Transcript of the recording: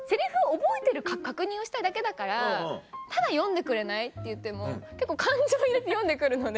覚えてるか確認をしたいだけだからただ読んでくれない？」って言っても結構感情を入れて読んで来るので。